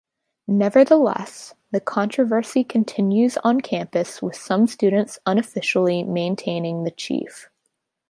Nevertheless, the controversy continues on campus with some students unofficially maintaining the Chief.